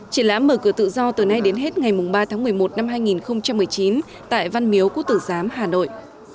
triển lãm mở cửa tự do từ nay đến hết ngày ba tháng một mươi một năm hai nghìn một mươi chín tại văn miếu cú tử giám hà nội